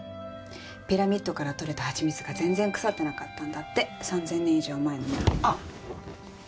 ピラミッドからとれた蜂蜜が全然腐ってなかったんだって３０００年以上前のものなのにあッ！